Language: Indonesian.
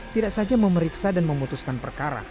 tidak saja memeriksa dan memutuskan perkara